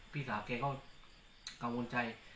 พี่สาวแกก็กังวลใจ